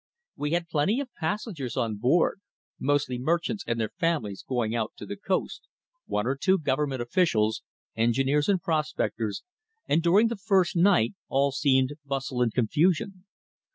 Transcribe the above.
We had plenty of passengers on board, mostly merchants and their families going out to the "Coast," one or two Government officials, engineers and prospectors, and during the first night all seemed bustle and confusion.